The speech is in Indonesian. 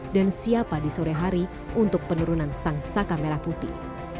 dan siapa di sore hari untuk penurunan sang saka merah putih